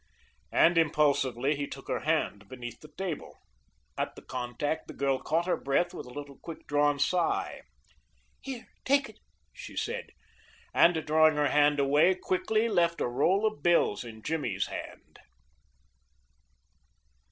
And impulsively he took her hand beneath the table. At the contact the girl caught her breath with a little quick drawn sigh. "Here, take it!" she said, and drawing her hand away quickly, left a roll of bills in Jimmy's hand.